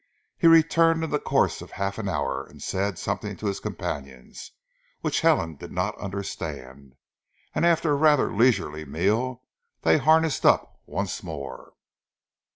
He returned in the course of half an hour and said something to his companion which Helen did not understand; and after a rather leisurely meal they harnessed up once more.